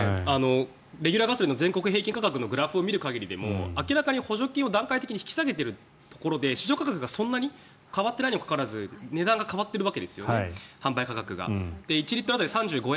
レギュラーガソリンの全国平均価格のグラフを見る限りでも明らかに補助金を段階的に引き下げているところで市場価格がそんなに変わっていないにもかかわらず値段が変わっているわけですよね。